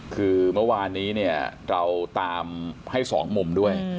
คือเมื่อวานนี้เนี่ยเราตามให้๒มุมด้วย